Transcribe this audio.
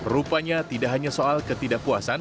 rupanya tidak hanya soal ketidakpuasan